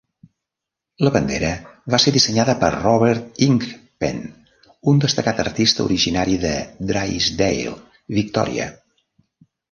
La bandera va ser dissenyada per Robert Ingpen, un destacat artista originari de Drysdale, Victòria.